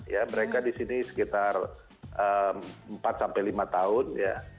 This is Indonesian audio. ya mereka di sini sekitar empat sampai lima tahun ya